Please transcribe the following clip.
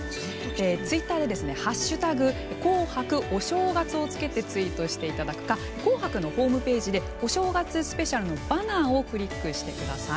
ツイッターで「＃紅白お正月」をつけてツイートしていただくか「紅白」のホームページでお正月スペシャルのバナーをクリックしてください。